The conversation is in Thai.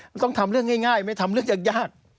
มันต้องทำเรื่องง่ายไม่ทำเรื่องยาก